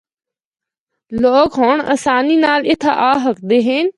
لوگ ہونڑ آسانی نال اِتھا آ ہکدے ہن۔